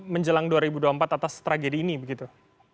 menjelang dua ribu dua puluh empat atas tragedi ini begitu